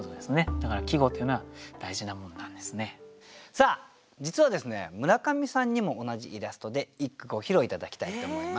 さあ実はですね村上さんにも同じイラストで一句ご披露頂きたいと思います。